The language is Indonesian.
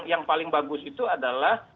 yang paling bagus itu adalah